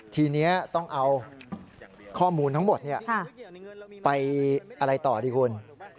ทีนี้ต้องเอาข้อมูลทั้งหมดไปอะไรต่อดีคุณ